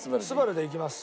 でいきます。